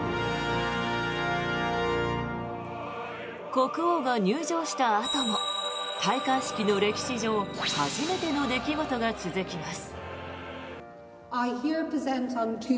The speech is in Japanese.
国王が入場したあとも戴冠式の歴史上初めての出来事が続きます。